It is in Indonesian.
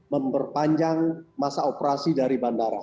memperpanjang masa operasi dari bandara